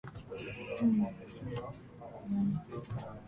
暗闇の中に佇む新宿都庁、都庁に差し込む一筋の光